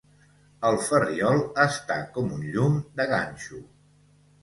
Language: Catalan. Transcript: El Ferriol està com un llum de ganxo.